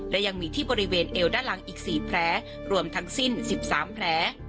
และยังมีที่บริเวณเอวด้านหลังอีก๔แผลรวมทั้งสิ้น๑๓แผล